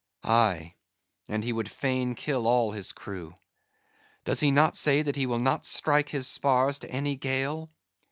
—Aye and he would fain kill all his crew. Does he not say he will not strike his spars to any gale?